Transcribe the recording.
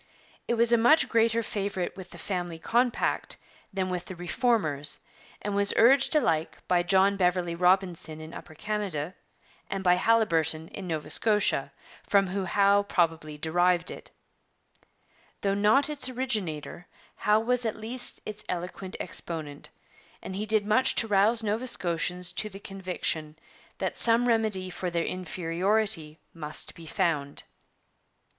It was a much greater favourite with the 'Family Compact' than with the Reformers, and was urged alike by John Beverley Robinson in Upper Canada and by Haliburton in Nova Scotia, from whom Howe probably derived it. But though not its originator, Howe was at least its eloquent exponent, and he did much to rouse Nova Scotians to the conviction that some remedy for their inferiority must be found.